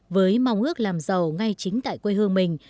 với mong ước làm giàu ngay chính tại quê hương mình